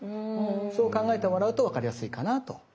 そう考えてもらうとわかりやすいかなぁと。